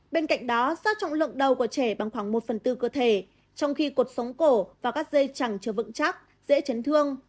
bên cạnh đó sát trọng lượng đầu của trẻ bằng khoảng một phần tư cơ thể trong khi cột sống cổ và các dây chẳng chưa vững chắc dễ chấn thương